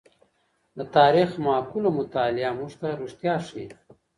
د تاریخ معقوله مطالعه موږ ته رښتیا ښيي.